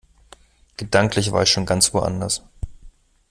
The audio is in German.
Gedanklich war ich schon ganz woanders.